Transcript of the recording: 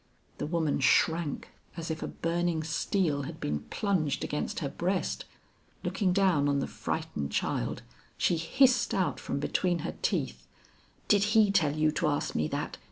The woman shrank as if a burning steel had been plunged against her breast. Looking down on the frightened child, she hissed out from between her teeth, "Did he tell you to ask me that?